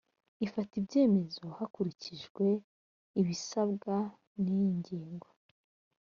rufata ibyemezo hakurikijwe ibisabwa n iyi ngingo